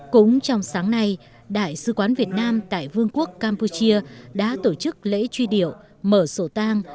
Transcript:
cũng trong sáng nay đại sứ quán việt nam tại vương quốc campuchia đã tổ chức lễ truy điệu mở sổ tang